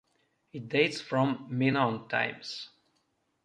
It dates from Minoan times.